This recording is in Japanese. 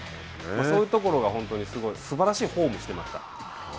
そういうところが本当にすごい、すばらしいフォームをしていました。